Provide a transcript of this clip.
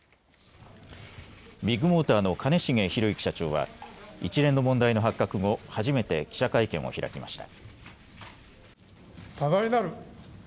ビッグモーターの兼重宏行社長は一連の問題の発覚後、初めて記者会見を開きました。